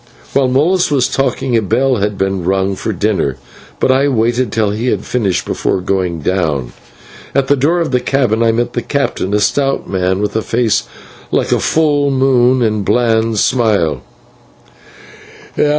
While Molas was talking, a bell had rung for dinner, but I waited till he had finished before going down. At the door of the cabin I met the captain, a stout man with a face like a full moon and a bland smile.